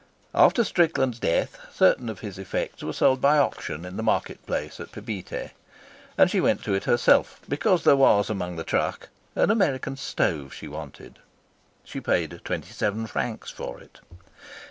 After Strickland's death certain of his effects were sold by auction in the market place at Papeete, and she went to it herself because there was among the truck an American stove she wanted. She paid twenty seven francs for it.